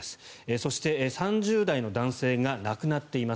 そして、３０代の男性が亡くなっています。